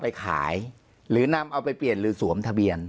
ไปขายหรือนำเอาไปเปลี่ยนหรือสวมทะเบียน